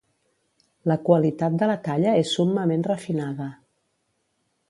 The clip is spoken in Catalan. La qualitat de la talla és summament refinada.